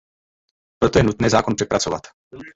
Proto je nutné zákon přepracovat.